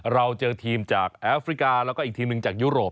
เราเจอทีมจากแอฟริกาแล้วก็อีกทีมหนึ่งจากยุโรป